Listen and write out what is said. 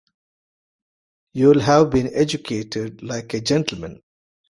You'll have been educated like a gentleman?